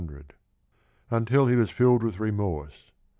500) until he was filled with remorse.